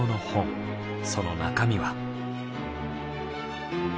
その中身は。